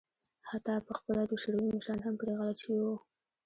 حتی په خپله د شوروي مشران هم پرې غلط شوي وو.